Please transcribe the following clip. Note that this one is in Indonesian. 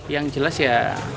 yang jelas ya